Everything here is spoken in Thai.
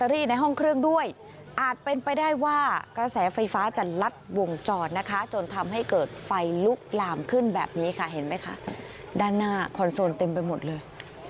ด้านแบบนี้ค่ะเห็นไหมคะด้านหน้าคอนโซลเต็มไปหมดเลย